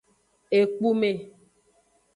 Ekpume.